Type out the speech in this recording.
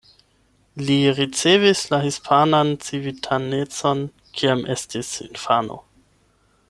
Li ricevis la hispanan civitanecon kiam estis infano.